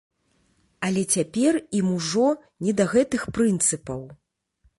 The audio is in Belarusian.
Але цяпер ім ужо не да гэтых прынцыпаў.